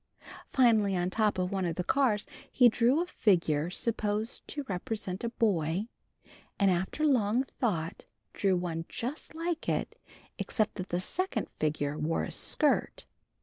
Finally on top of one of the cars he drew a figure supposed to represent a boy, and after long thought, drew one just like it, except that the second figure wore a skirt.